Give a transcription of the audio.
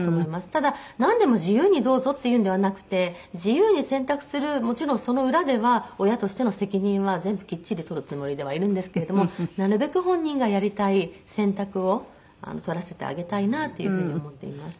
ただなんでも自由にどうぞっていうのではなくて自由に選択するもちろんその裏では親としての責任は全部きっちり取るつもりではいるんですけれどもなるべく本人がやりたい選択を取らせてあげたいなという風に思っています。